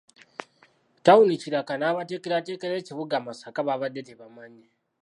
Ttawuni Kkiraaka n’abateekerateekera ekibuga Masaka babadde tebamanyi.